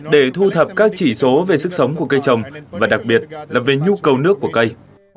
để thu thập các chỉ số về sức sống của cây trồng và đặc biệt là về nhu cầu nước của cây